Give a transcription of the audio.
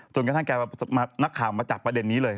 จนกระทั่งแกนักข่าวมาจับประเด็นนี้เลย